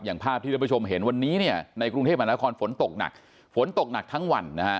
อย่างภาพที่รับประชมเห็นวันนี้ในกรุงเทพฯหมาละครฝนตกหนักทั้งวัน